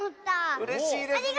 うれしいですね。